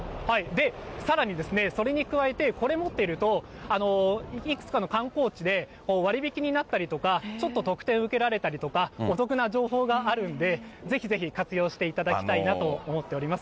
で、さらにですね、それに加えて、これ持っていると、いくつかの観光地で割引になったりだとか、ちょっと特典受けられたりとか、お得な情報があるんで、ぜひぜひ活用していただきたいなと思っております。